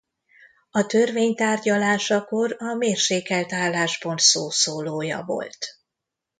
A törvény tárgyalásakor a mérsékelt álláspont szószólója volt.